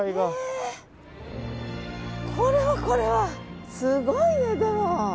これはこれはすごいねでも。